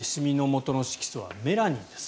シミのもとの色素はメラニンです。